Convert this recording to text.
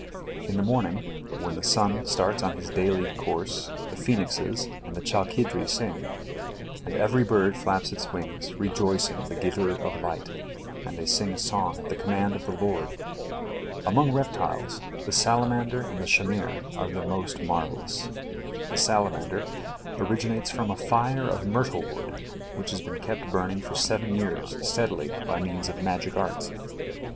In the morning when the sun starts on his daily course, the phoenixes and the chalkidri sing, and every bird flaps its wings, rejoicing the Giver of light, and they sing a song at the command of the Lord. Among reptiles the salamander and the shamir are the most marvellous. The salamander originates from a fire of myrtle wood which has been kept burning for seven years steadily by means of magic arts.